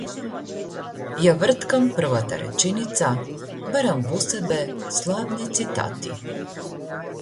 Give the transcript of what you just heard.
Ја врткам првата реченица, барам во себе славни цитати.